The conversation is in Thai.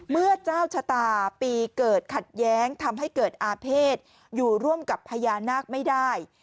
เมื่อเจ้าชะตาปีเกิดขัดแย้งทำให้เกิดอาเภษอยู่ร่วมกับพญานาคไม่ได้